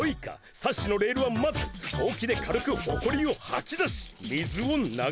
サッシのレールはまずほうきで軽くほこりをはきだし水を流す。